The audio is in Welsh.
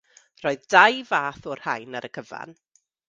Roedd dau fath o'r rhain ar y cyfan.